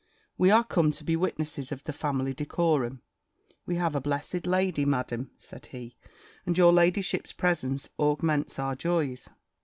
We are come to be witnesses of the family decorum." "We have a blessed lady, Madam," said he: "and your ladyship's presence augments our joys."